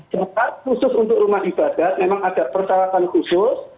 tempat khusus untuk rumah ibadah memang ada persyaratan khusus